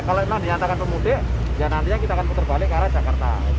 kalau memang dinyatakan pemudik ya nantinya kita akan putar balik ke arah jakarta